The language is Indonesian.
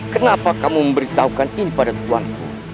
kenapa kamu memberitahukan ini pada tuhanku